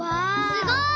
すごい！